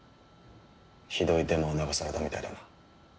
ひどいデマを流されたみたいだな。